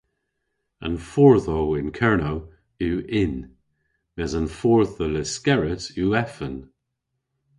An fordhow yn Kernow yw ynn mes an fordh dhe Lyskerrys yw efan.